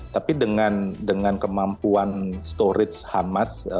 tapi dengan kemampuan storage hamas